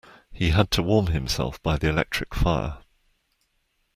He had to warm himself by the electric fire